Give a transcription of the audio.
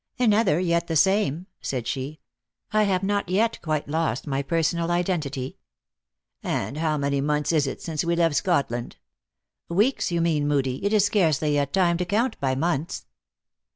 "Another, yet the same," said she. "I have not yet quite lost my personal identity." "And how many months is it since we left Scot land ?"" Weeks you mean, Moodie, it is scarcely yet time to count by months."